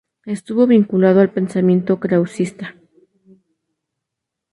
Estuvo vinculado al pensamiento krausista.